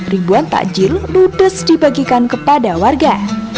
ribuan takjil ludes dibagikan kepada warga